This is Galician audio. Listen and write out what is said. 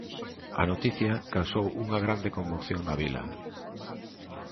A noticia causou unha grande conmoción na vila.